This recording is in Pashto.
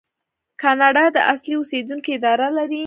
کاناډا د اصلي اوسیدونکو اداره لري.